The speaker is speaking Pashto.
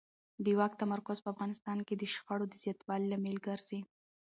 د واک تمرکز په افغانستان کې د شخړو د زیاتوالي لامل ګرځي